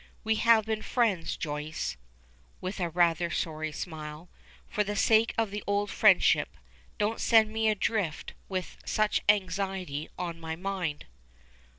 We have been friends, Joyce," with a rather sorry smile. "For the sake of the old friendship, don't send me adrift with such an anxiety upon my mind."